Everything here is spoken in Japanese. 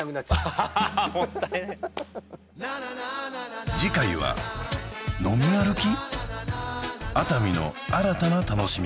あはははっもったいない次回は飲み歩き？